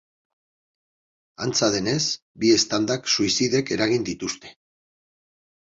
Antza denez, bi eztandak suizidek eragin dituzte.